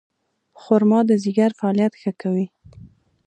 خرما د ځیګر فعالیت ښه کوي.